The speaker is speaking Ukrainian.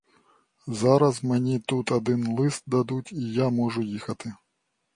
Зараз мені тут один лист дадуть, і я можу їхати.